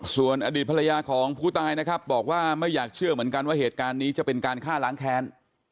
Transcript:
ส่วนอดีตภรรยาของผู้ตายนะครับบอกว่าไม่อยากเชื่อเหมือนกันว่าเหตุการณ์นี้จะเป็นการฆ่าล้างแค้น